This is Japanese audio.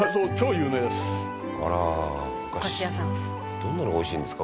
「どんなのが美味しいんですか？